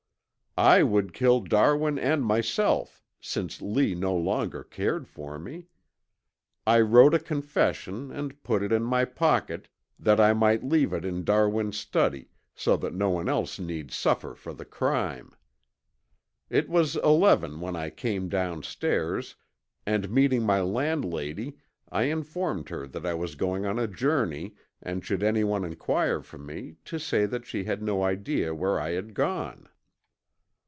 I would kill Darwin and myself since Lee no longer cared for me. I wrote a confession and put it in my pocket, that I might leave it in Darwin's study, so that no one else need suffer for the crime. It was eleven when I came downstairs, and meeting my landlady I informed her that I was going on a journey and should anyone inquire for me to say that she had no idea where I had gone.